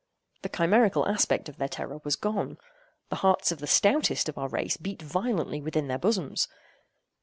The chimerical aspect of their terror was gone. The hearts of the stoutest of our race beat violently within their bosoms.